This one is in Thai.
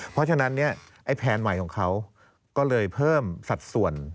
เพราะฉะนั้นเนี่ยไอ้แผนใหม่ของเขาก็เลยเพิ่มสัดส่วน